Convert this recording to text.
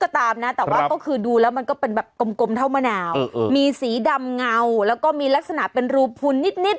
ก็ตามนะแต่ว่าก็คือดูแล้วมันก็เป็นแบบกลมเท่ามะนาวมีสีดำเงาแล้วก็มีลักษณะเป็นรูพุนนิด